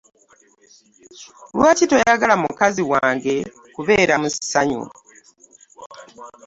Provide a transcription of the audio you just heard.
Lwaki toyagala mukazi wange kubeera mu ssanyu?